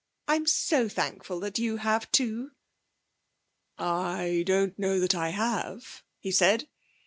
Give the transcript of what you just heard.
I'm so thankful that you have, too.' 'I don't know that I have,' he said.